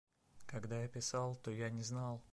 – Когда я писал, то я не знал.